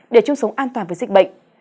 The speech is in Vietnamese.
để chung sống an toàn với dịch bệnh